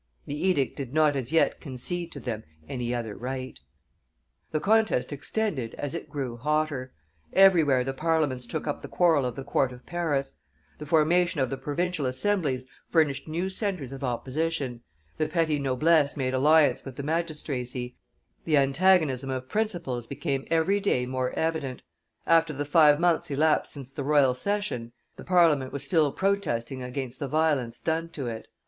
The edict did not as yet concede to them any other right. The contest extended as it grew hotter; everywhere the parliaments took up the quarrel of the court of Paris; the formation of the provincial assemblies furnished new centres of opposition; the petty noblesse made alliance with the magistracy; the antagonism of principles became every day more evident; after the five months elapsed since the royal session, the Parliament was still protesting against the violence done to it.